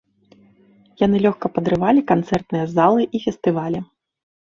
Яны лёгка падрывалі канцэртныя залы і фестывалі.